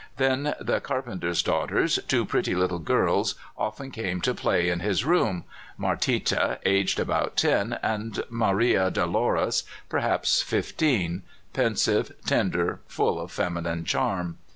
Then the carpenter's daughters, two pretty little girls, often came to play in his room Martita, aged about ten, and Maria Dolores, perhaps fifteen, pensive, tender, full of feminine charm.